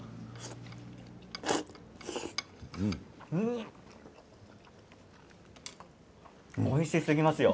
うーんおいしすぎますよ。